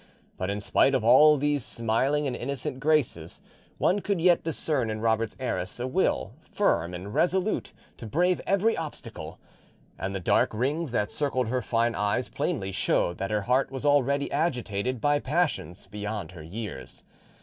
But in spite of all these smiling and innocent graces one could yet discern in Robert's heiress a will firm and resolute to brave every obstacle, and the dark rings that circled her fine eyes plainly showed that her heart was already agitated by passions beyond her years.